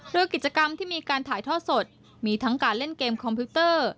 โดยกิจกรรมที่มีการถ่ายทอดสดมีทั้งการเล่นเกมคอมพิวเตอร์